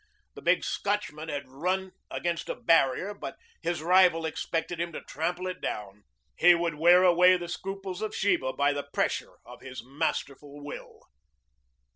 The big Scotchman had run against a barrier, but his rival expected him to trample it down. He would wear away the scruples of Sheba by the pressure of his masterful will.